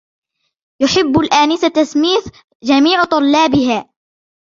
يحب الآنسةَ سميث جميعُ طلابها.